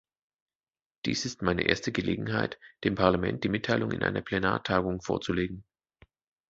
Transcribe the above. Dies ist meine erste Gelegenheit, dem Parlament die Mitteilung in einer Plenartagung vorzulegen.